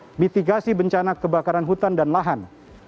membangun ketahanan terhadap mitigasi bencana kebakaran hutan dan lahan